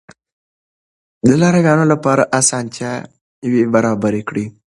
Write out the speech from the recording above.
د لارويانو لپاره اسانتیاوې برابرې کړئ.